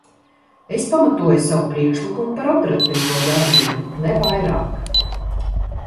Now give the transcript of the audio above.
Es pamatoju savu priekšlikumu par operatīvo darbību, ne vairāk.